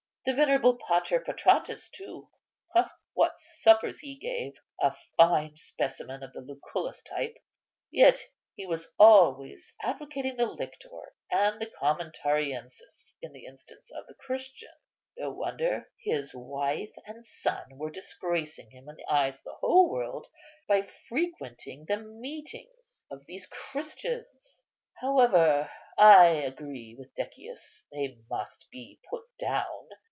The venerable Pater Patratus, too, what suppers he gave! a fine specimen of the Lucullus type; yet he was always advocating the lictor and the commentariensis in the instance of the Christian. No wonder; his wife and son were disgracing him in the eyes of the whole world by frequenting the meetings of these Christians. However, I agree with Decius, they must be put down.